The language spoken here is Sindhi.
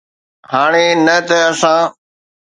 هاڻي نه ته اسان